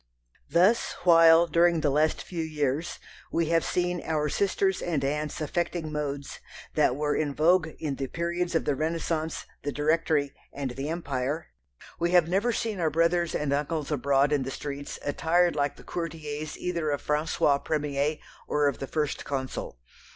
Thus while, during the last few years, we have seen our sisters and aunts affecting "modes" that were in vogue in the periods of the Renaissance, the Directory, and the Empire, we have never seen our brothers and uncles abroad in the streets attired like the courtiers either of François premier or of the First Consul.